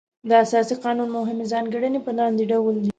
د اساسي قانون مهمې ځانګړنې په لاندې ډول دي.